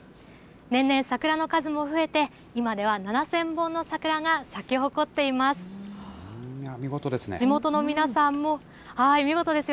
年々、桜の数も増えて、今では７０００本の桜が咲き誇っています。